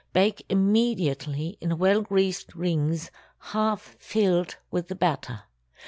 Bake immediately in well greased rings half filled with the batter.